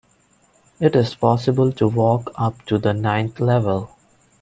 It is possible to walk up to the ninth level.